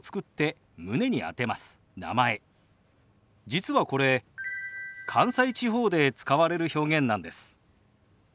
実はこれ関西地方で使われる表現なんです。